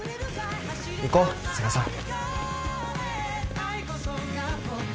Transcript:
行こう都賀さん。